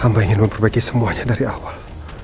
amba ingin memperbaiki semuanya dari awal